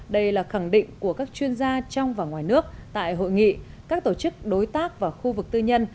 đây là khẳng định của các chuyên gia trong và ngoài nước tại hội nghị các tổ chức đối tác và khu vực tư nhân